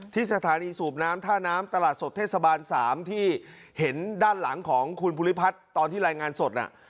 ที่สถานีสูบน้ำท่าน้ำตลาดสดเทศบาล๓ที่เห็นด้านหลังของคุณภูริพัฒน์ตอนที่รายงานสดน่ะ